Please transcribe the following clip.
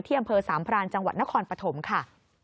อำเภอสามพรานจังหวัดนครปฐมค่ะ